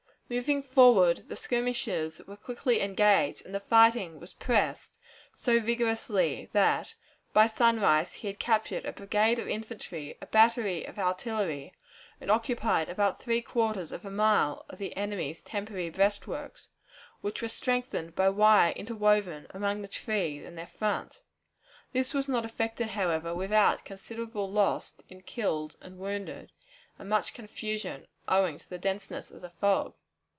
Moving forward, the skirmishers were quickly engaged, and the fighting was pressed so vigorously that by sunrise he had captured a brigade of infantry, a battery of artillery, and occupied about three quarters of a mile of the enemy's temporary breastworks, which were strengthened by wire interwoven among the trees in their front; this was not effected, however, without considerable loss in killed and wounded, and much confusion, owing to the denseness of the fog.